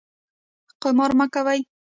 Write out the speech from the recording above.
قمار مه کوئ